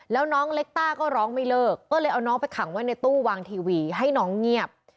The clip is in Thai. แล้วน้องเล็กต้าก็ร้องไม่เลิกก็เลยเอาน้องไปขังไว้ในตู้วางทีวีให้น้องเงียบ